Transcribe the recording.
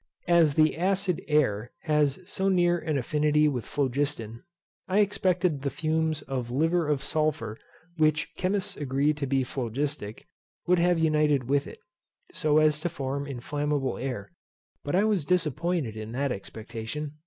As the acid air has so near an affinity with phlogiston, I expected that the fumes of liver of sulphur, which chemists agree to be phlogistic, would have united with it, so as to form inflammable air; but I was disappointed in that expectation.